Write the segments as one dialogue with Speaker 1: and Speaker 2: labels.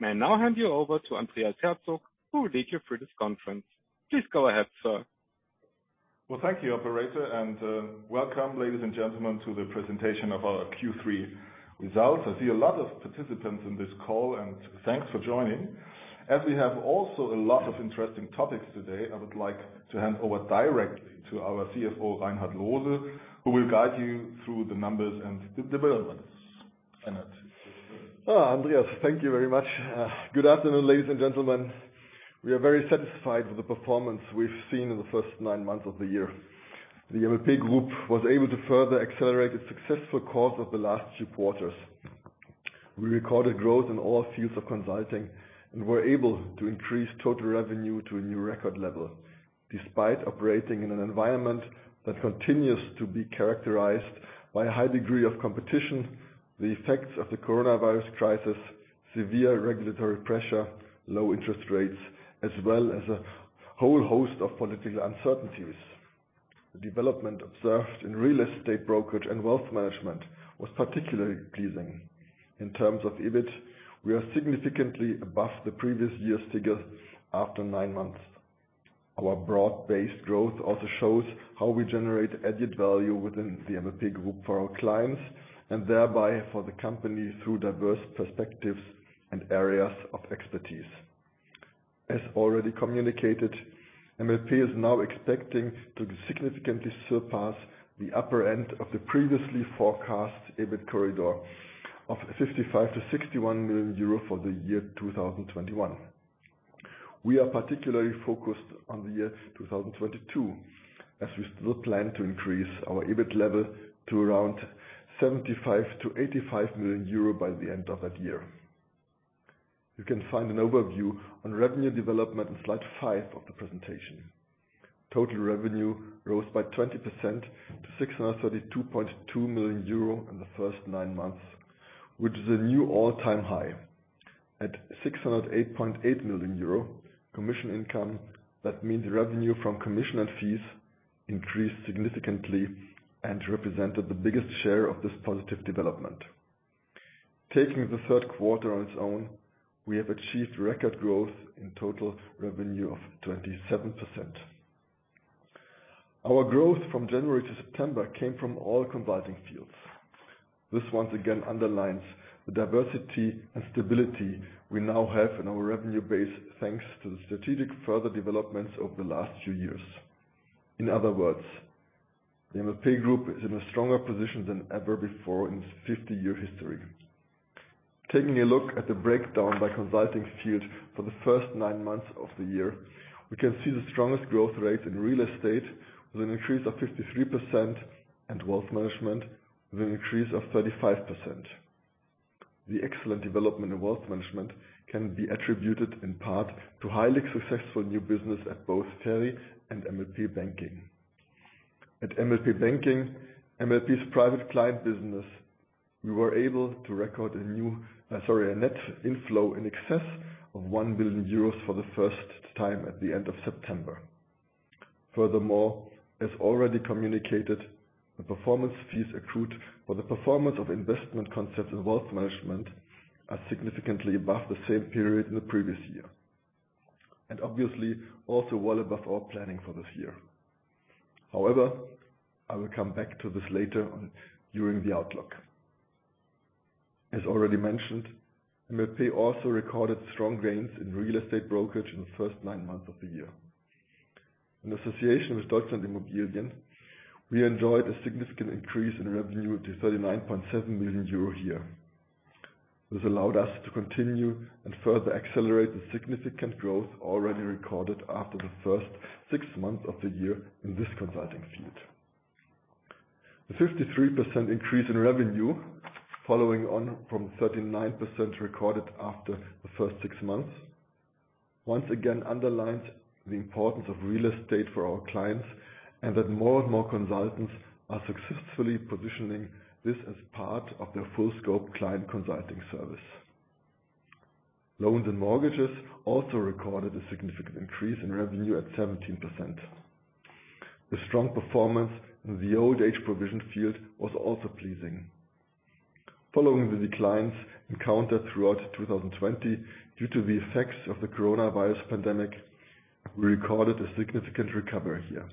Speaker 1: May I now hand you over to Andreas Herzog, who will lead you through this conference. Please go ahead, sir.
Speaker 2: Well, thank you, operator, and welcome ladies and gentlemen, to the presentation of our Q3 results. I see a lot of participants in this call and thanks for joining. As we have also a lot of interesting topics today, I would like to hand over directly to our CFO, Reinhard Loose, who will guide you through the numbers and the developments. Reinhard.
Speaker 3: Andreas, thank you very much. Good afternoon, ladies and gentlemen. We are very satisfied with the performance we've seen in the first nine months of the year. The MLP Group was able to further accelerate the successful course of the last two quarters. We recorded growth in all fields of consulting and were able to increase total revenue to a new record level despite operating in an environment that continues to be characterized by a high degree of competition, the effects of the coronavirus crisis, severe regulatory pressure, low interest rates, as well as a whole host of political uncertainties. The development observed in real estate brokerage and wealth management was particularly pleasing. In terms of EBIT, we are significantly above the previous year's figures after nine months. Our broad-based growth also shows how we generate added value within the MLP Group for our clients and thereby for the company through diverse perspectives and areas of expertise. MLP is now expecting to significantly surpass the upper end of the previously forecast EBIT corridor of 55 million-61 million euro for the year 2021. We are particularly focused on the year 2022, as we still plan to increase our EBIT level to around 75 million-85 million euro by the end of that year. You can find an overview on revenue development in slide five of the presentation. Total revenue rose by 20% to 632.2 million euro in the first nine months, which is a new all-time high. At 608.8 million euro commission income, that means revenue from commission and fees increased significantly and represented the biggest share of this positive development. Taking the third quarter on its own, we have achieved record growth in total revenue of 27%. Our growth from January to September came from all consulting fields. This once again underlines the diversity and stability we now have in our revenue base, thanks to the strategic further developments over the last few years. In other words, the MLP Group is in a stronger position than ever before in its 50-year history. Taking a look at the breakdown by consulting field for the first nine months of the year, we can see the strongest growth rate in real estate with an increase of 53% and wealth management with an increase of 35%. The excellent development in wealth management can be attributed in part to highly successful new business at both FERI and MLP Banking. At MLP Banking, MLP's private client business, we were able to record a net inflow in excess of 1 billion euros for the first time at the end of September. Furthermore, as already communicated, the performance fees accrued for the performance of investment concepts in wealth management are significantly above the same period in the previous year, and obviously also well above our planning for this year. However, I will come back to this later on during the outlook. As already mentioned, MLP also recorded strong gains in real estate brokerage in the first nine months of the year. In association with Deutschland Immobilien, we enjoyed a significant increase in revenue to 39.7 million euro a year. This allowed us to continue and further accelerate the significant growth already recorded after the first six months of the year in this consulting field. The 53% increase in revenue following on from 39% recorded after the first six months once again underlined the importance of real estate for our clients and that more and more consultants are successfully positioning this as part of their full-scope client consulting service. Loans and mortgages also recorded a significant increase in revenue at 17%. The strong performance in the old age provision field was also pleasing. Following the declines encountered throughout 2020 due to the effects of the coronavirus pandemic, we recorded a significant recovery here.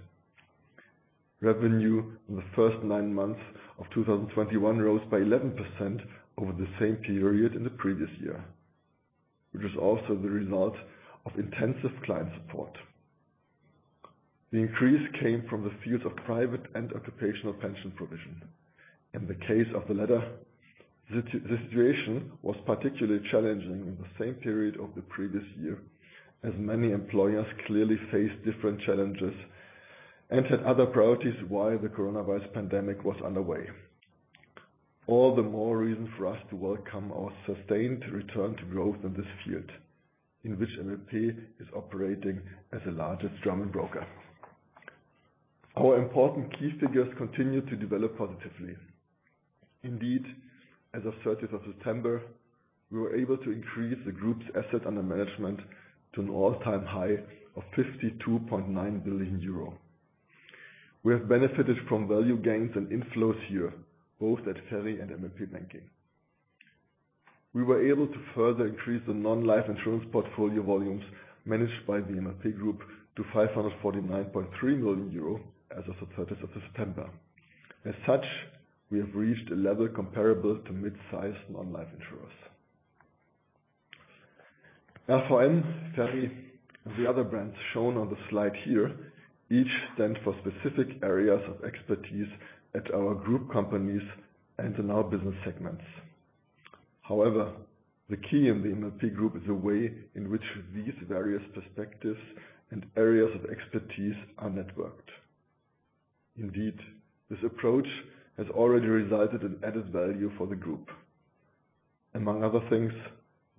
Speaker 3: Revenue in the first nine months of 2021 rose by 11% over the same period in the previous year, which is also the result of intensive client support. The increase came from the fields of private and occupational pension provision. In the case of the latter, the situation was particularly challenging in the same period of the previous year, as many employers clearly faced different challenges and had other priorities while the coronavirus pandemic was underway. All the more reason for us to welcome our sustained return to growth in this field in which MLP is operating as the largest German broker. Our important key figures continued to develop positively. Indeed, as of the 30th of September, we were able to increase the group's asset under management to an all-time high of 52.9 billion euro. We have benefited from value gains and inflows here, both at FERI and MLP Banking. We were able to further increase the non-life insurance portfolio volumes managed by the MLP Group to 549.3 million euro as of the 30th of September. As such, we have reached a level comparable to mid-size non-life insurers. F4M, FERI, and the other brands shown on the slide here, each stand for specific areas of expertise at our group companies and in our business segments. However, the key in the MLP Group is the way in which these various perspectives and areas of expertise are networked. Indeed, this approach has already resulted in added value for the group. Among other things,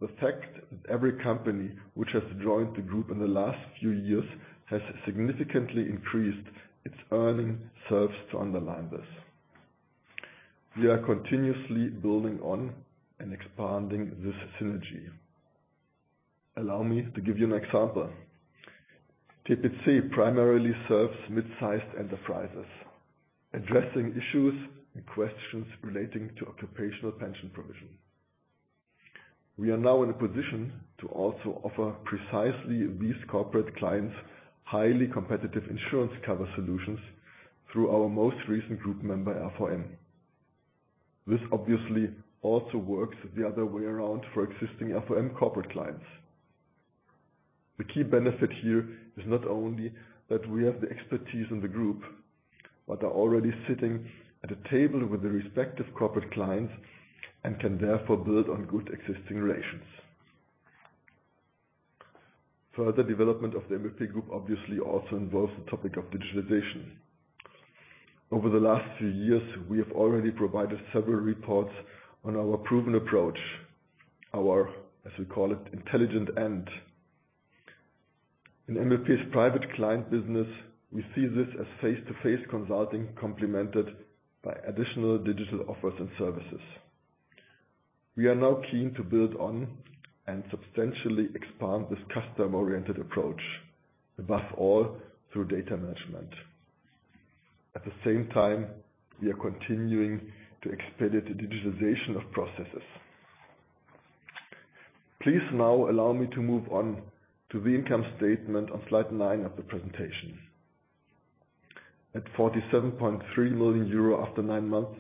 Speaker 3: the fact that every company which has joined the group in the last few years has significantly increased its earnings serves to underline this. We are continuously building on and expanding this synergy. Allow me to give you an example. TPC primarily serves mid-sized enterprises, addressing issues and questions relating to occupational pension provision. We are now in a position to also offer precisely these corporate clients highly competitive insurance cover solutions through our most recent group member, RVM. This obviously also works the other way around for existing RVM corporate clients. The key benefit here is not only that we have the expertise in the group, but are already sitting at a table with the respective corporate clients and can therefore build on good existing relations. Further development of the MLP Group obviously also involves the topic of digitalization. Over the last few years, we have already provided several reports on our proven approach. In MLP's private client business, we see this as face-to-face consulting complemented by additional digital offers and services. We are now keen to build on and substantially expand this customer-oriented approach, above all through data management. At the same time, we are continuing to expedite the digitization of processes. Please now allow me to move on to the income statement on slide nine of the presentation. At 47.3 million euro after nine months,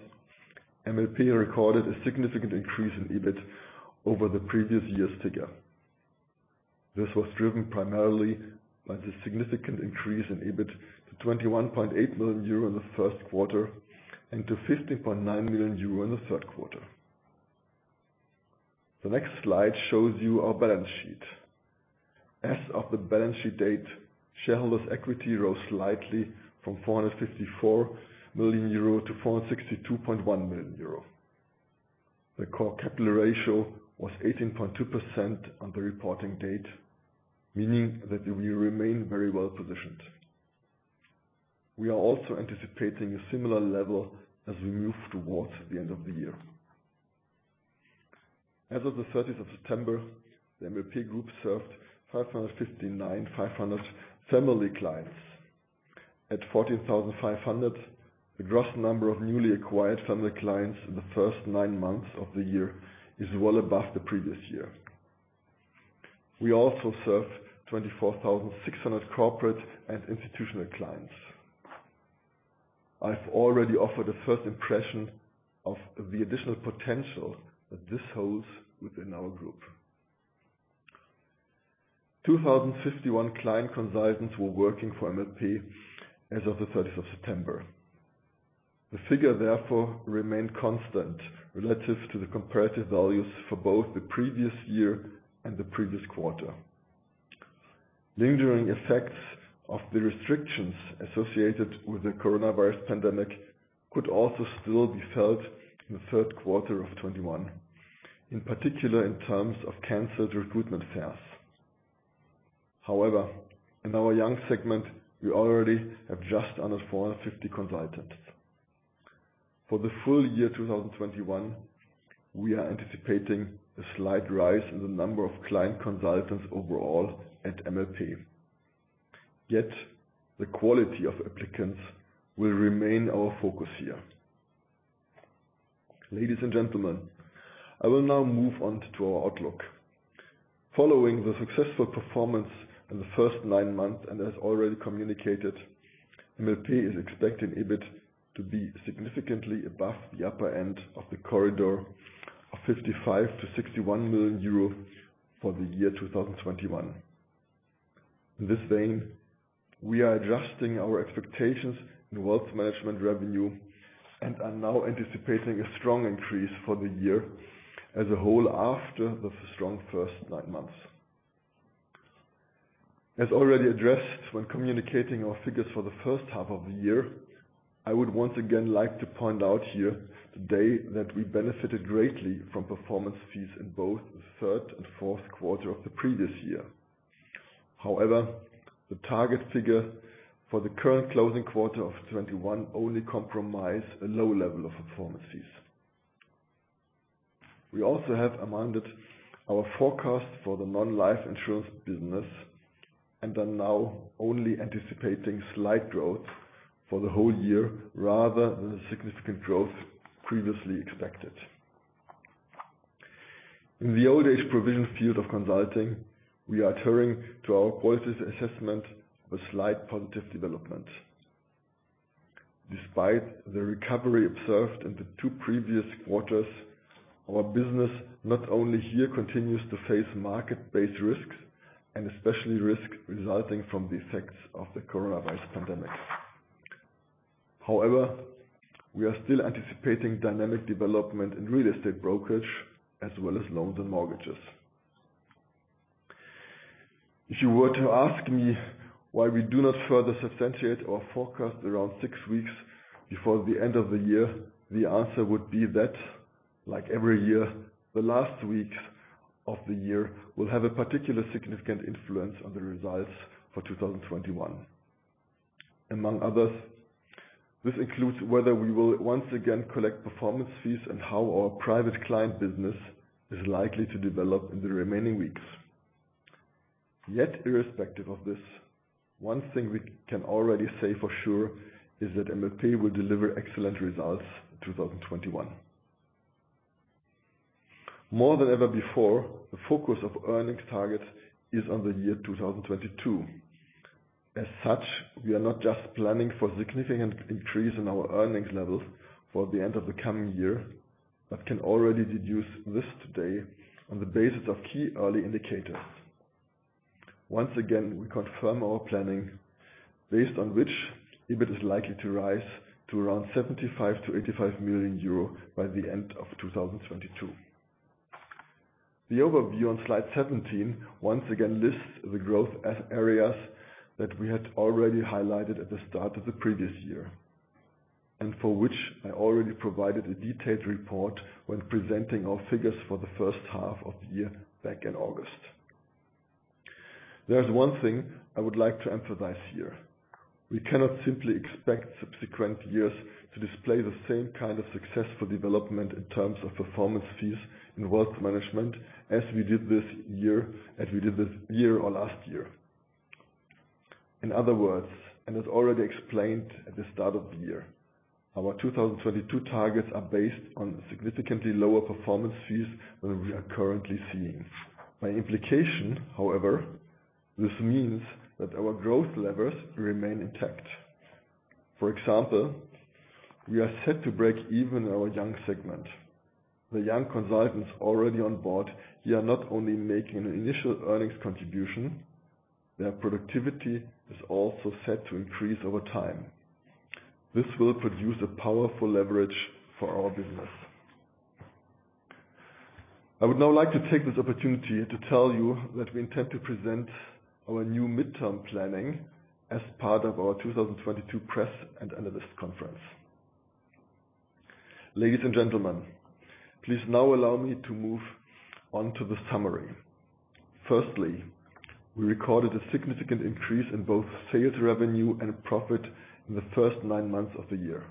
Speaker 3: MLP recorded a significant increase in EBIT over the previous year's figure. This was driven primarily by the significant increase in EBIT to 21.8 million euro in the first quarter and to 15.9 million euro in the third quarter. The next slide shows you our balance sheet. As of the balance sheet date, shareholders' equity rose slightly from 454 million euro to 462.1 million euro. The core capital ratio was 18.2% on the reporting date, meaning that we remain very well-positioned. We are also anticipating a similar level as we move towards the end of the year. As of the 30th of September, the MLP Group served 559,500 family clients. At 14,500, the gross number of newly acquired family clients in the first nine months of the year is well above the previous year. We also served 24,600 corporate and institutional clients. I've already offered a first impression of the additional potential that this holds within our group. 2,051 client consultants were working for MLP as of the 30th of September. The figure therefore remained constant relative to the comparative values for both the previous year and the previous quarter. Lingering effects of the restrictions associated with the coronavirus pandemic could also still be felt in the third quarter of 2021, in particular in terms of canceled recruitment fairs. However, in our young segment, we already have just under 450 consultants. For the full year 2021, we are anticipating a slight rise in the number of client consultants overall at MLP. Yet, the quality of applicants will remain our focus here. Ladies and gentlemen, I will now move on to our outlook. Following the successful performance in the first nine months, and as already communicated, MLP is expecting EBIT to be significantly above the upper end of the corridor of 55 million-61 million euro for the year 2021. In this vein, we are adjusting our expectations in wealth management revenue and are now anticipating a strong increase for the year as a whole after the strong first nine months. As already addressed when communicating our figures for the first half of the year, I would once again like to point out here today that we benefited greatly from performance fees in both the third and fourth quarter of the previous year. However, the target figure for the current closing quarter of 2021 only comprises a low level of performance fees. We also have amended our forecast for the non-life insurance business and are now only anticipating slight growth for the whole year rather than the significant growth previously expected. In the old-age provisions field of consulting, we are turning to our quality assessment with slight positive development. Despite the recovery observed in the two previous quarters, our business not only here continues to face market-based risks and especially risks resulting from the effects of the coronavirus pandemic. However, we are still anticipating dynamic development in real estate brokerage as well as loans and mortgages. If you were to ask me why we do not further substantiate our forecast around six weeks before the end of the year, the answer would be that, like every year, the last week of the year will have a particular significant influence on the results for 2021. Among others, this includes whether we will once again collect performance fees and how our private client business is likely to develop in the remaining weeks. Yet irrespective of this, one thing we can already say for sure is that MLP will deliver excellent results in 2021. More than ever before, the focus of earnings target is on the year 2022. As such, we are not just planning for significant increase in our earnings levels for the end of the coming year, but can already deduce this today on the basis of key early indicators. Once again, we confirm our planning based on which EBIT is likely to rise to around 75 million-85 million euro by the end of 2022. The overview on slide 17 once again lists the growth areas that we had already highlighted at the start of the previous year, and for which I already provided a detailed report when presenting our figures for the first half of the year back in August. There's one thing I would like to emphasize here. We cannot simply expect subsequent years to display the same kind of successful development in terms of performance fees in wealth management as we did this year or last year. In other words, as already explained at the start of the year, our 2022 targets are based on significantly lower performance fees than we are currently seeing. By implication, however, this means that our growth levels remain intact. For example, we are set to break even our young segment. The young consultants already on board here are not only making an initial earnings contribution, their productivity is also set to increase over time. This will produce a powerful leverage for our business. I would now like to take this opportunity to tell you that we intend to present our new midterm planning as part of our 2022 press and analyst conference. Ladies and gentlemen, please now allow me to move on to the summary. Firstly, we recorded a significant increase in both sales revenue and profit in the first nine months of the year.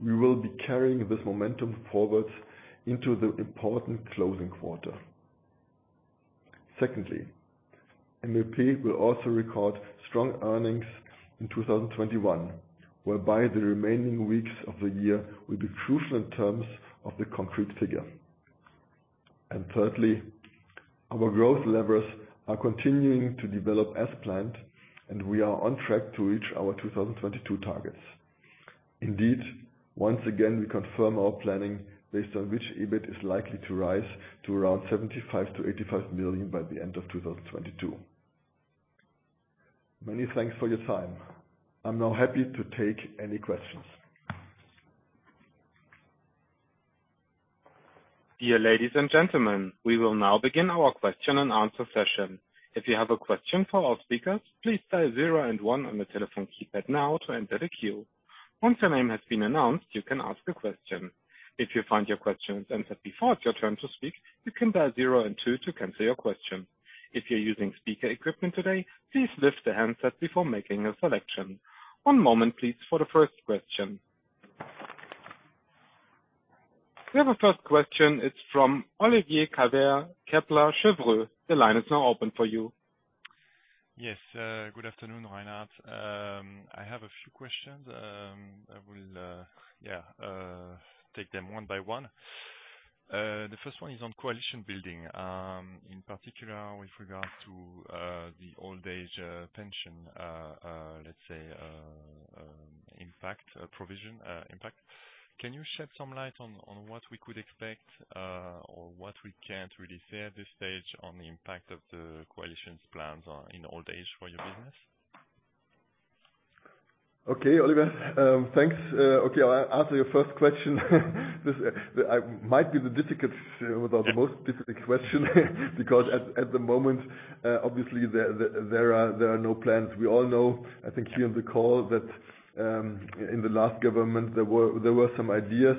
Speaker 3: We will be carrying this momentum forward into the important closing quarter. Secondly, MLP will also record strong earnings in 2021, whereby the remaining weeks of the year will be crucial in terms of the concrete figure. Thirdly, our growth levels are continuing to develop as planned, and we are on track to reach our 2022 targets. Indeed, once again, we confirm our planning based on which EBIT is likely to rise to around 75 million-85 million by the end of 2022. Many thanks for your time. I'm now happy to take any questions.
Speaker 1: Dear ladies and gentlemen, we will now begin our question and answer session. If you have a question for our speakers, please dial zero and one on the telephone keypad now to enter the queue. Once your name has been announced, you can ask a question. If you find your question is answered before it's your turn to speak, you can dial zero and two to cancel your question. If you're using speaker equipment today, please lift the handset before making a selection. One moment, please, for the first question. We have a first question. It's from Olivier Calvet, Kepler Cheuvreux. The line is now open for you.
Speaker 4: Yes, good afternoon, Reinhard. I have a few questions. I will take them one by one. The first one is on coalition building, in particular with regards to the old age provision impact. Can you shed some light on what we could expect or what we can't really say at this stage on the impact of the coalition's plans on old age provision for your business?
Speaker 3: Okay, Olivier. Thanks. Okay. I'll answer your first question. This might be the difficult or the most difficult question because at the moment, obviously there are no plans. We all know, I think here on the call that, in the last government, there were some ideas,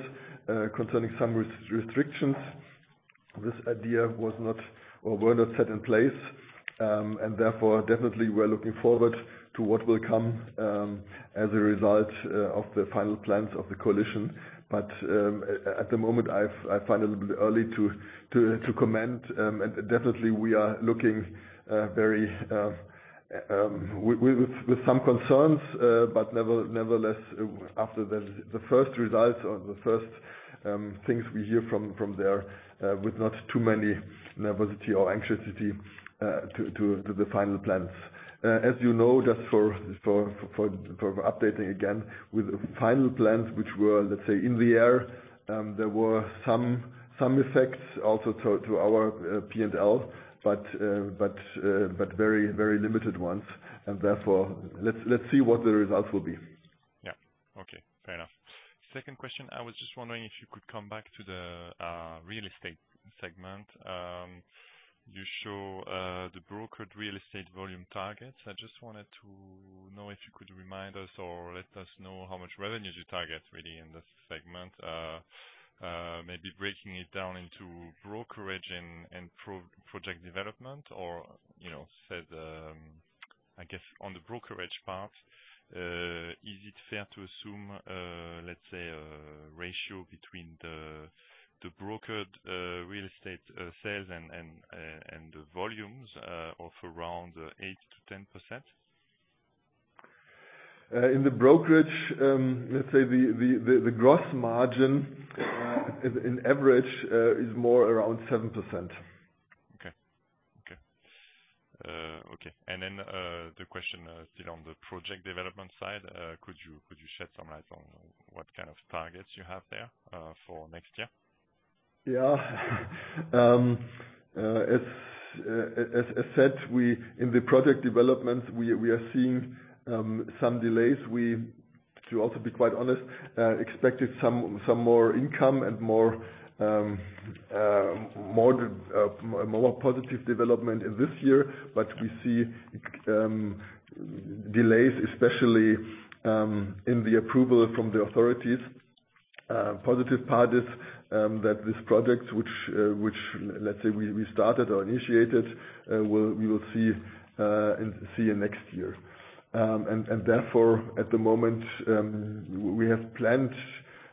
Speaker 3: concerning some restrictions. This idea was not or were not set in place. Therefore, definitely we are looking forward to what will come, as a result, of the final plans of the coalition. At the moment, I find it a little bit early to comment. Definitely we are looking with some concerns but nevertheless, after the first results or the first things we hear from there, with not too many nervousness or anxiety to the final plans. As you know, just for updating again, with final plans which were, let's say, in the air, there were some effects also to our P&L. Very limited ones. Therefore, let's see what the results will be.
Speaker 4: Yeah. Okay. Fair enough. Second question, I was just wondering if you could come back to the real estate segment. You show the brokered real estate volume targets. I just wanted to know if you could remind us or let us know how much revenue do you target really in this segment? Maybe breaking it down into brokerage and project development or, you know, say, I guess on the brokerage part, is it fair to assume, let's say a ratio between the brokered real estate sales and the volumes of around 8%-10%?
Speaker 3: In the brokerage, let's say the gross margin on average is more around 7%.
Speaker 4: The question still on the project development side, could you shed some light on what kind of targets you have there for next year?
Speaker 3: As said, in the project development, we are seeing some delays. To also be quite honest, we expected some more income and more positive development in this year. We see delays especially in the approval from the authorities. Positive part is that this project, which let's say we started or initiated, we will see in next year. Therefore, at the moment, we have planned,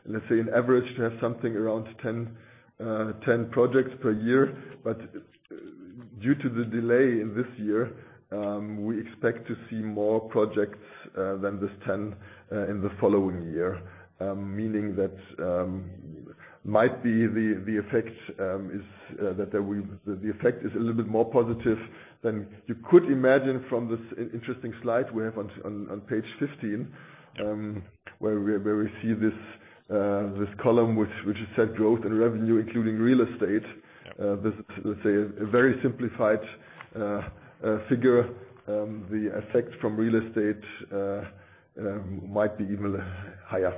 Speaker 3: let's say, an average to have something around 10 projects per year. Due to the delay in this year, we expect to see more projects than this 10 in the following year. Meaning that the effect is a little bit more positive than you could imagine from this interesting slide we have on page 15, where we see this column, which said growth and revenue, including real estate. This, let's say, a very simplified figure. The effect from real estate might be even higher.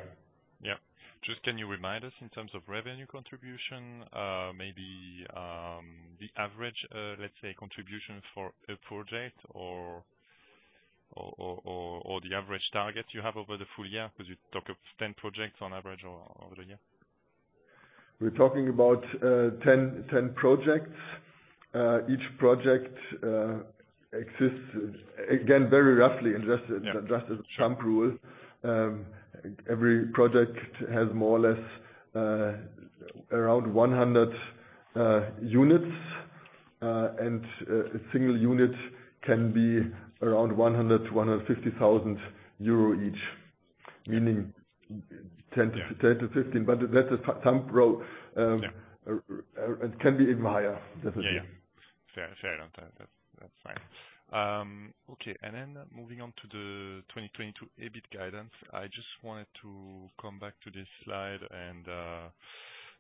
Speaker 4: Yeah. Just can you remind us in terms of revenue contribution, maybe, the average, let's say contribution for a project or the average target you have over the full year? Because you talk of 10 projects on average over the year.
Speaker 3: We're talking about 10 projects. Each project exists again very roughly and just as a thumb rule. Every project has more or less around 100 units. And a single unit can be around 100,000-150,000 euro each. Meaning 10 to-
Speaker 4: Yeah.
Speaker 3: 10-15. That's a thumb rule.
Speaker 4: Yeah.
Speaker 3: It can be even higher.
Speaker 4: Yeah. Fair enough. That's fine. Okay. Then moving on to the 2022 EBIT guidance. I just wanted to come back to this slide and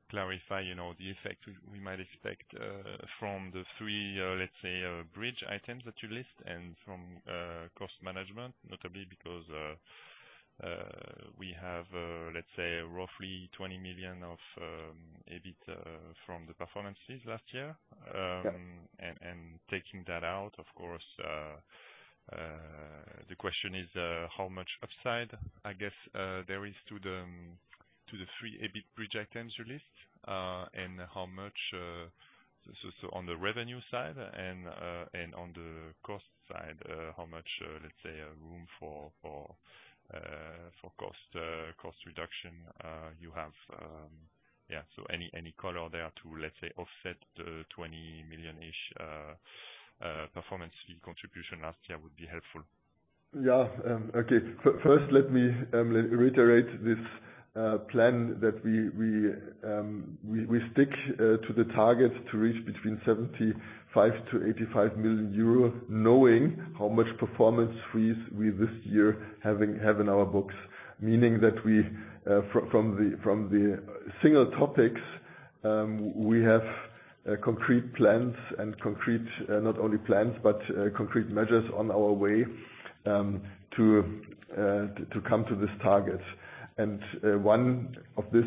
Speaker 4: clarify, you know, the effect we might expect from the three, let's say, bridge items that you list and from cost management. Notably because we have, let's say roughly 20 million of EBIT from the performances last year.
Speaker 3: Yeah.
Speaker 4: Taking that out, of course, the question is how much upside, I guess, there is to the three EBIT bridge items you list. How much, so on the revenue side and on the cost side, how much, let's say, room for cost reduction you have? Any color there to, let's say, offset the 20 million-ish performance fee contribution last year would be helpful.
Speaker 3: First let me reiterate this plan that we stick to the target to reach between 75 million-85 million euro, knowing how much performance fees we have this year in our books. Meaning that we, from the single topics, we have concrete plans and, not only plans, but concrete measures on our way to come to this target. One of this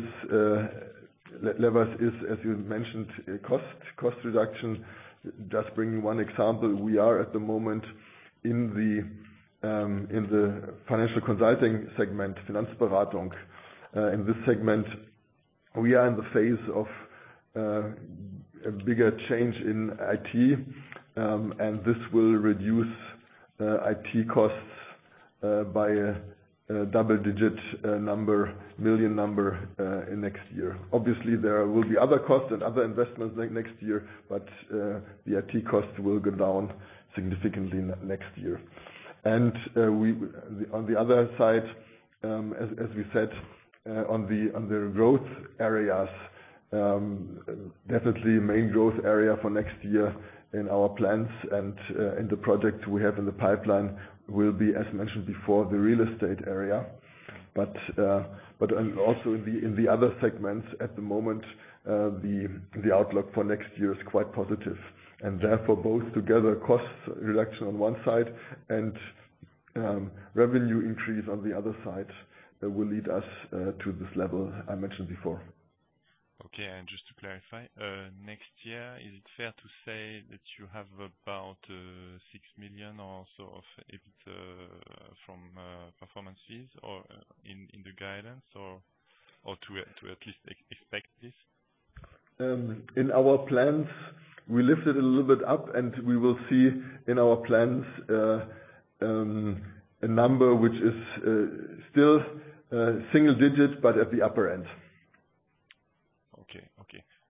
Speaker 3: levels is, as you mentioned, cost reduction. Just bring one example. We are at the moment in the financial consulting segment, Finanzberatung. In this segment we are in the phase of a bigger change in IT, and this will reduce IT costs by a double digit number million number in next year. Obviously, there will be other costs and other investments next year, but the IT costs will go down significantly next year. On the other side, as we said, on the growth areas, definitely main growth area for next year in our plans and in the projects we have in the pipeline will be, as mentioned before, the real estate area. And also in the other segments at the moment, the outlook for next year is quite positive. Therefore, both together cost reduction on one side and revenue increase on the other side will lead us to this level I mentioned before.
Speaker 4: Okay. Just to clarify, next year is it fair to say that you have about 6 million or so of EBIT from FERI or in the guidance or to at least expect this?
Speaker 3: In our plans we lifted a little bit up and we will see in our plans a number which is still single digits but at the upper end.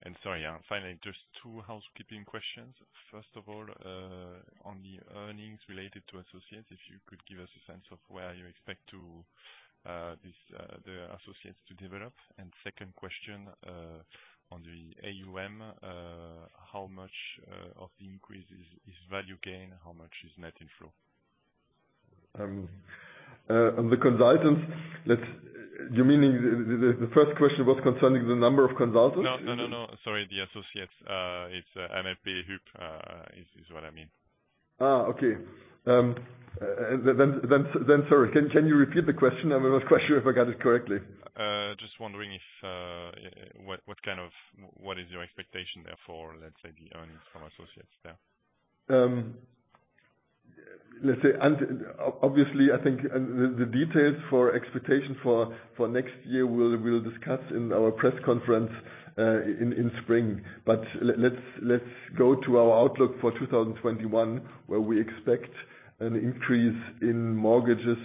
Speaker 4: Okay. Sorry, finally just two housekeeping questions. First of all, on the earnings related to associates, if you could give us a sense of where you expect the associates to develop. Second question, on the AUM, how much of the increase is value gain? How much is net inflow?
Speaker 3: On the consultants, you meaning the first question was concerning the number of consultants?
Speaker 4: No. Sorry. It's MLP Hyp is what I mean.
Speaker 3: Okay. Sorry, can you repeat the question? I'm not quite sure if I got it correctly.
Speaker 4: Just wondering if what is your expectation there for, let's say, the earnings from associates there?
Speaker 3: Obviously, I think the details for expectations for next year we'll discuss in our press conference in spring. Let's go to our outlook for 2021, where we expect an increase in mortgages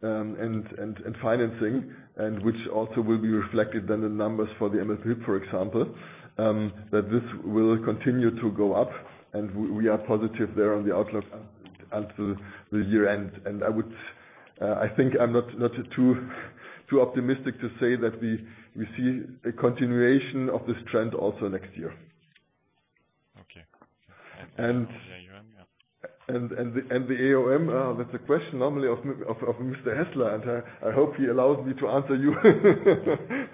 Speaker 3: and financing, which also will be reflected in the numbers for the MLP, for example, that this will continue to go up, and we are positive there on the outlook until the year end. I think I'm not too optimistic to say that we see a continuation of this trend also next year.
Speaker 4: Okay.
Speaker 3: And-
Speaker 4: The AUM, yeah.
Speaker 3: The AUM. That's a question normally of Mr. Hässler, and I hope he allows me to answer you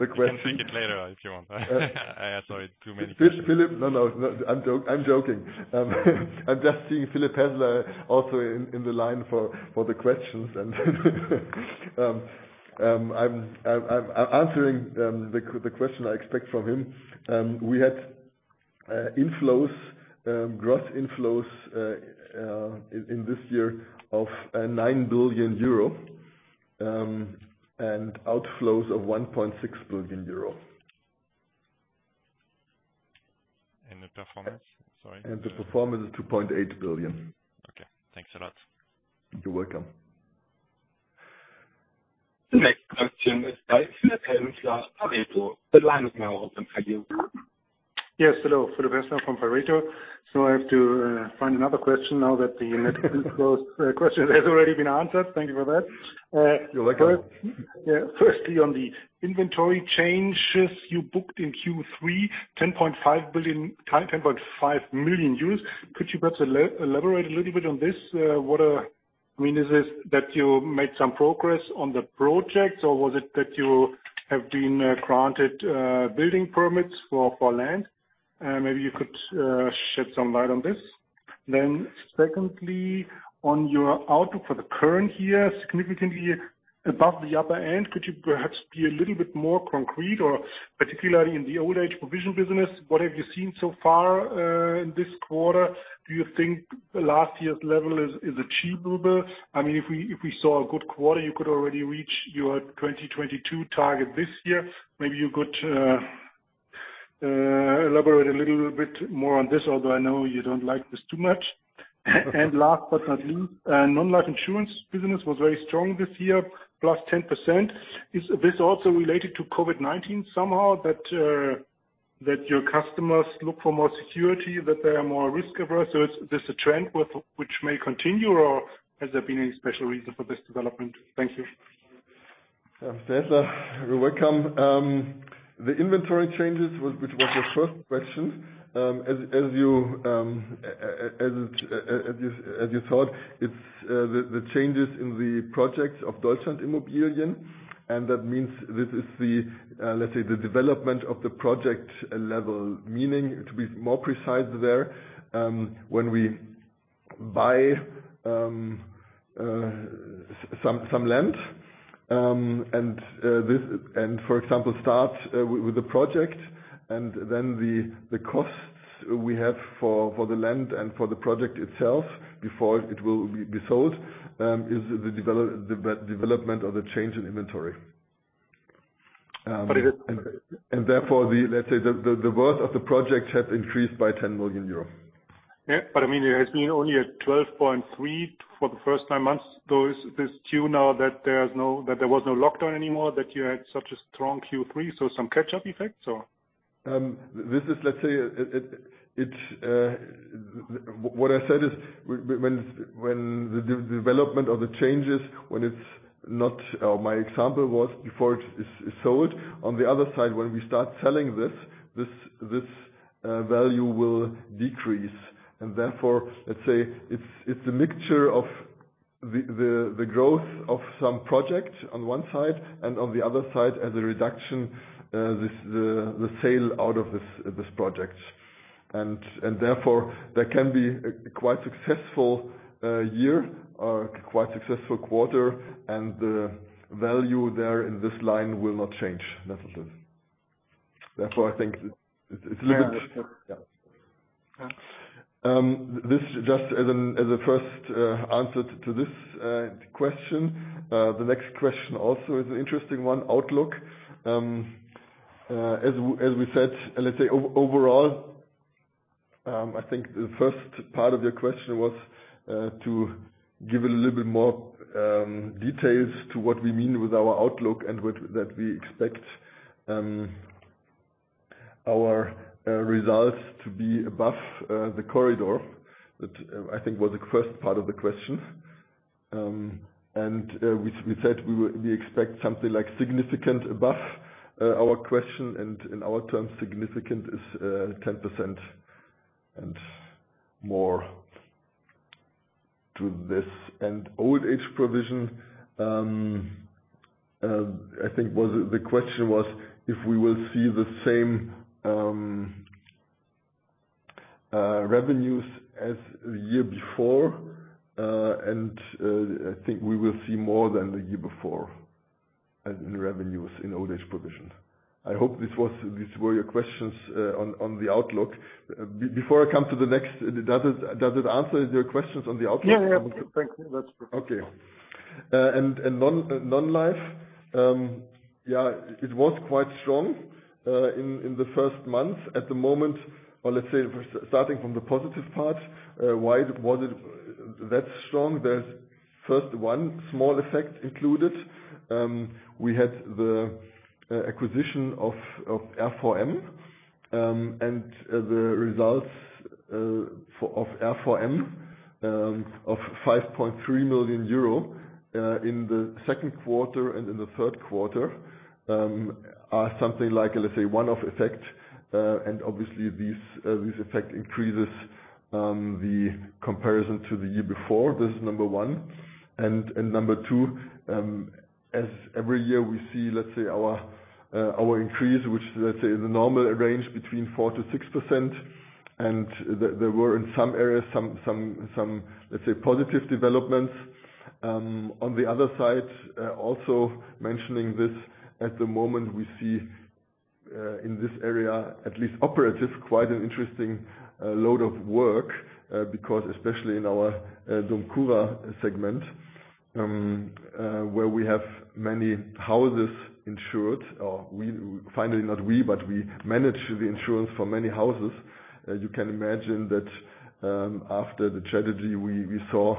Speaker 3: the question.
Speaker 4: I can thank him later if you want. Sorry, too many questions.
Speaker 3: Philip. No, no. I'm joking. I'm just seeing Philip Hässler also in the line for the questions and I'm answering the question I expect from him. We had inflows, gross inflows in this year of 9 billion euro and outflows of 1.6 billion euro.
Speaker 4: The performance? Sorry.
Speaker 3: The performance is 2.8 billion.
Speaker 4: Okay. Thanks a lot.
Speaker 3: You're welcome.
Speaker 1: The next question is by Philip Hässler of Pareto. The line is now open for you.
Speaker 5: Yes, hello. Philip Hässler from Pareto. I have to find another question now that the net inflows question has already been answered. Thank you for that.
Speaker 3: You're welcome.
Speaker 5: Yeah. Firstly, on the inventory changes you booked in Q3, 10.5 million euros. Could you perhaps elaborate a little bit on this? What, I mean, is this that you made some progress on the projects, or was it that you have been granted building permits for land? Maybe you could shed some light on this. Secondly, on your outlook for the current year, significantly above the upper end, could you perhaps be a little bit more concrete or particularly in the old age provision business, what have you seen so far in this quarter? Do you think last year's level is achievable? I mean, if we saw a good quarter, you could already reach your 2022 target this year. Maybe you could elaborate a little bit more on this, although I know you don't like this too much. Last but not least, non-life insurance business was very strong this year, +10%. Is this also related to COVID-19 somehow that your customers look for more security, that they are more risk-averse? Is this a trend which may continue, or has there been any special reason for this development? Thank you.
Speaker 3: Yeah. Thanks a lot. You're welcome. The inventory changes was, which was your first question. As you thought, it's the changes in the projects of Deutschland Immobilien, and that means this is, let's say, the development of the project level. Meaning, to be more precise there, when we buy some land and for example, start with a project and then the costs we have for the land and for the project itself before it will be sold is the development of the change in inventory.
Speaker 5: It is.
Speaker 3: Therefore, let's say the worth of the project has increased by 10 million euros.
Speaker 5: I mean, it has been only at 12.3 for the first nine months. So is this due now that there was no lockdown anymore, that you had such a strong Q3, so some catch-up effect or?
Speaker 3: What I said is when the development of the changes, when it's not. My example was before it is sold. On the other side, when we start selling this value will decrease. Therefore, let's say it's a mixture of the growth of some project on one side and on the other side, as a reduction, the sell-out of this project. Therefore, there can be a quite successful year or quite successful quarter, and the value there in this line will not change necessarily. Therefore, I think it's a little bit.
Speaker 5: Yeah.
Speaker 3: This just as a first answer to this question. The next question also is an interesting one: outlook. As we said, let's say overall, I think the first part of your question was to give a little bit more details to what we mean with our outlook and that we expect our results to be above the corridor. That I think was the first part of the question. We said we expect something like significant above our corridor. In our terms, significant is 10% and more to this. Old age provision I think was the question was if we will see the same revenues as the year before. I think we will see more than the year before in revenues in old age provisions. I hope these were your questions on the outlook. Before I come to the next, does it answer your questions on the outlook?
Speaker 5: Yeah, yeah. Thank you. That's good.
Speaker 3: Non-life. Yeah, it was quite strong in the first month. Starting from the positive part, why was it that strong? There's one small effect included. We had the acquisition of RVM. And the results for RVM of 5.3 million euro in the second quarter and in the third quarter are something like a one-off effect. Obviously, these effects increase the comparison to the year before. This is number one. Number two, as every year we see our increase, which is in a normal range between 4%-6%. There were in some areas some positive developments. On the other side, also mentioning this, at the moment, we see in this area, at least operationally, quite an interesting load of work. Because especially in our DOMCURA segment, where we have many houses insured or we manage the insurance for many houses. You can imagine that, after the tragedy we saw,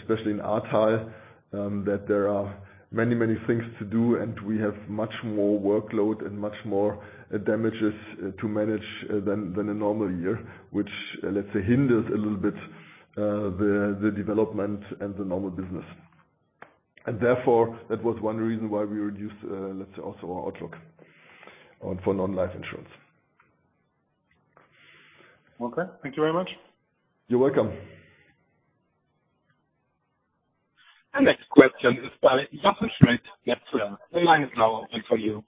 Speaker 3: especially in Ahrtal, that there are many things to do, and we have much more workload and much more damages to manage than a normal year. Which, let's say, hinders a little bit the development and the normal business. Therefore, that was one reason why we reduced, let's say, also our outlook for non-life insurance.
Speaker 5: Okay. Thank you very much.
Speaker 3: You're welcome.
Speaker 1: Our next question is by Jochen Schmitt, Metzler. The line is now open for you.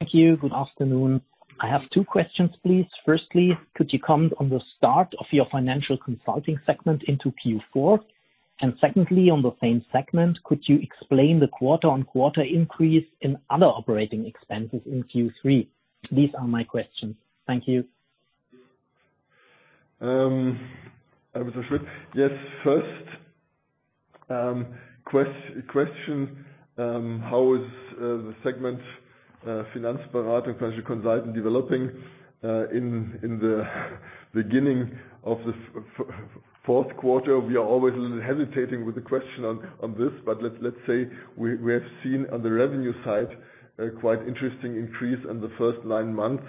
Speaker 6: Thank you. Good afternoon. I have two questions, please. Firstly, could you comment on the start of your financial consulting segment into Q4? Secondly, on the same segment, could you explain the quarter on quarter increase in other operating expenses in Q3? These are my questions. Thank you.
Speaker 3: Jochen Schmitt. Yes. First, question, how is the segment Finanzberatung Financial Consulting developing in the beginning of the fourth quarter? We are always a little hesitating with the question on this. Let's say we have seen on the revenue side a quite interesting increase in the first nine months.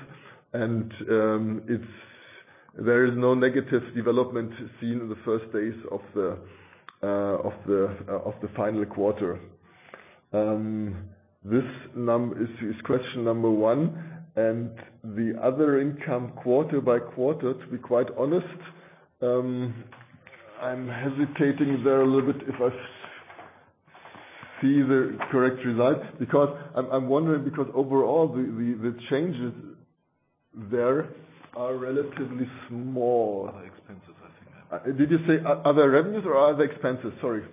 Speaker 3: There is no negative development seen in the first days of the final quarter. This is question number one. The other income quarter by quarter, to be quite honest, I'm hesitating there a little bit if I see the correct result. Because I'm wondering, because overall, the changes there are relatively small.
Speaker 6: Other expenses, I think.
Speaker 3: Did you say other revenues or other expenses? Sorry.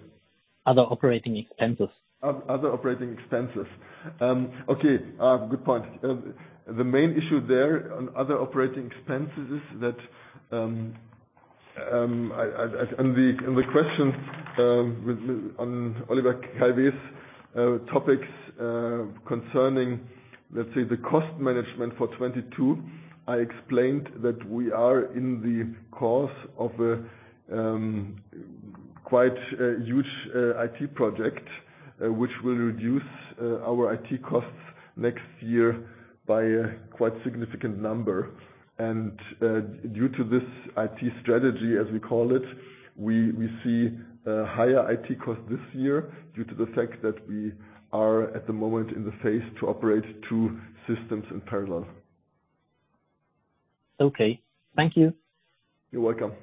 Speaker 6: Other operating expenses.
Speaker 3: Other operating expenses. Okay. Good point. The main issue there on other operating expenses is that on the question with Olivier Calvet's topics concerning, let's say, the cost management for 2022, I explained that we are in the course of a quite a huge IT project which will reduce our IT costs next year by a quite significant number. Due to this IT strategy, as we call it, we see higher IT costs this year due to the fact that we are, at the moment, in the phase to operate two systems in parallel.
Speaker 6: Okay. Thank you.
Speaker 3: You're welcome.